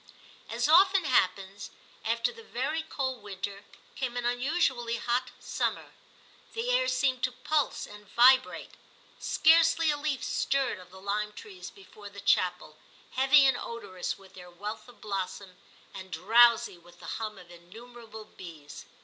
As often happens, after the very cold winter came an unusually hot summer. The air seemed to pulse and vibrate. Scarcely a leaf stirred of the lime trees before the chapel, heavy and odorous with their wealth of blossom, and drowsy with the hum of innumerable bees.